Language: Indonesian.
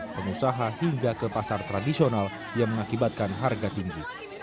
pengusaha hingga ke pasar tradisional yang mengakibatkan harga tinggi